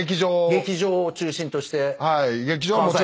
劇場を中心として。